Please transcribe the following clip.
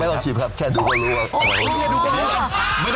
ลองชิมครับแค่ดูก็รู้ครับ